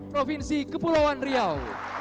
provinsi kepulauan rio